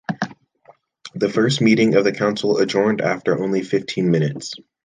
The first meeting of the Council adjourned after only fifteen minutes.